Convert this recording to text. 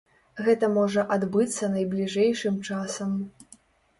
Гэта можа адбыцца найбліжэйшым часам.